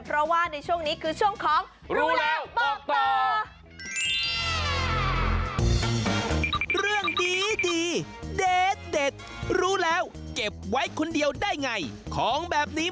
เพราะว่าในช่วงนี้คือช่วงของ